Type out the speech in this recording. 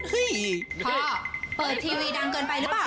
พ่อเปิดทีวีดังเกินไปหรือเปล่า